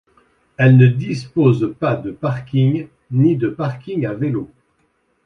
Elle ne dispose pas de parking, ni de parking à vélos.